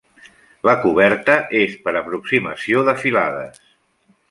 La coberta és per aproximació de filades.